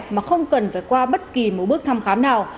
mà không cần phải qua bất kỳ một bước thăm khám nào